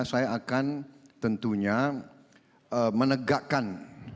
saya akan tentunya menegakkan